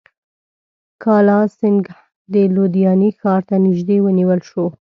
کالاسینګهـ د لودیانې ښار ته نیژدې ونیول شو.